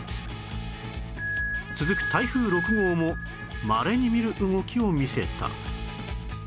続く台風６号もまれに見る動きを見せた